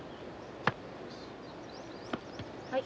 はい。